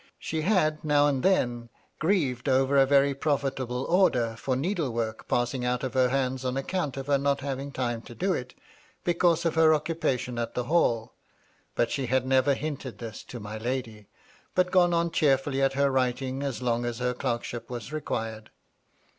She had, now and then, grieved over a very profitable order for needle work passing out of her hands on account of her not having time to do it, because of her occupation at the Hall ; but she had never hinted this to my lady, but gone on cheerfully at her writing as long as her clerk ship was required.